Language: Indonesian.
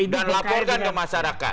dan laporkan ke masyarakat